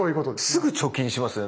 すぐ貯金しますよね。